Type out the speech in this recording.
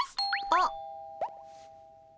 あっ。